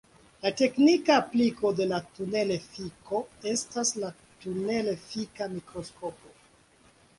La teknika apliko de la tunel-efiko estas la tunel-efika mikroskopo.